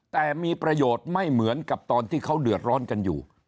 แต่มีประโยชน์ไม่เหมือนกับตอนที่เขาเดือดร้อนกันอยู่